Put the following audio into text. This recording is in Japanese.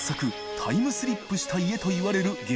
タイムスリップした家といわれる激